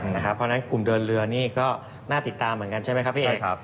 เพราะฉะนั้นกลุ่มเดินเรือนี่ก็น่าติดตามเหมือนกันใช่ไหมครับพี่เอก